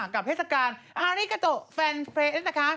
เทศกาลอาริกาโตะแฟนเฟรสนะคะ